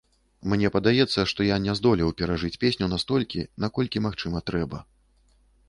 Мне падаецца, што я не здолеў перажыць песню настолькі, наколькі, магчыма, трэба.